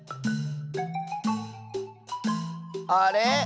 あれ？